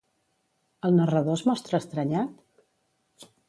El narrador es mostra estranyat?